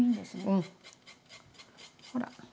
うん。ほら。